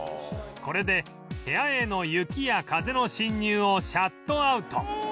これで部屋への雪や風の侵入をシャットアウト